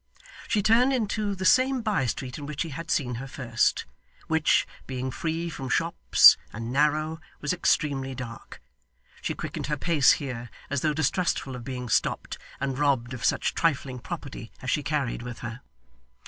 She turned into the same bye street in which he had seen her first, which, being free from shops, and narrow, was extremely dark. She quickened her pace here, as though distrustful of being stopped, and robbed of such trifling property as she carried with her.